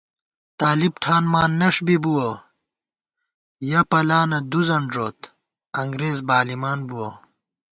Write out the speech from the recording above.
طالب ٹھانمان نݭ بِبُوَہ، یَہ پَلانہ دُوزَن ݫوت انگرېز بالِمان بُوَہ